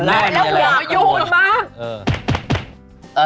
แล้วคุณแรกอยู่กันมาก